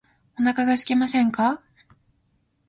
お腹がすきませんか